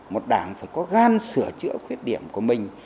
một đảng phải có gan sửa chữa khuyết điểm của mình